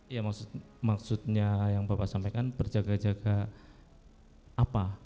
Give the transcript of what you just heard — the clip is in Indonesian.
ya maksudnya yang bapak sampaikan berjaga jaga apa